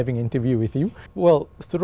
đến ngày ba mươi mùa tháng